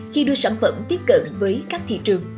khi đưa sản phẩm tiếp cận với các thị trường